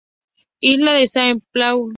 Isla de Saint-Paul